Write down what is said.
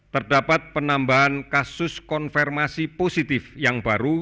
terdapat penambahan kasus konfirmasi positif yang baru